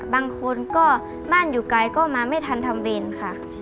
บางคนก็บ้านอยู่ไกลก็มาไม่ทันทำเวรค่ะ